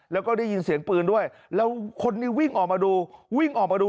แล้วก็ได้ยินเสียงปืนด้วยแล้วคนนี้วิ่งออกมาดู